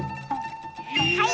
はい！